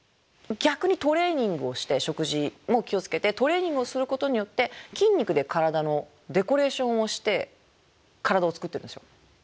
逆にトレーニングをして食事も気を付けてトレーニングをすることによって筋肉で体のデコレーションをして体を作ってるんですよ。